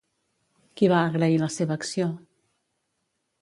Qui va agrair la seva acció?